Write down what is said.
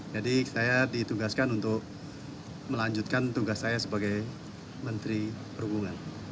jadi saya ditugaskan untuk melanjutkan tugas saya sebagai menteri perhubungan